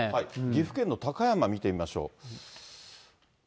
岐阜県の高山見てみましょう。